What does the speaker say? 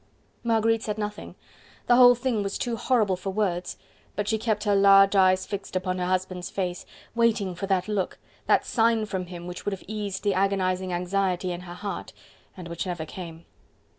Marguerite said nothing; the whole thing was too horrible for words, but she kept her large eyes fixed upon her husband's face... waiting for that look, that sign from him which would have eased the agonizing anxiety in her heart, and which never came.